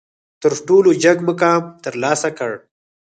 تر ټولو جګ مقام ترلاسه کړ.